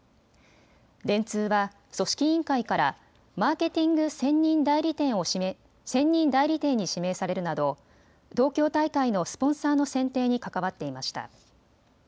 電通は組織委員会からマーケティング専任代理店に指名されるなど東京大会のスポンサーの選定に関わっていました。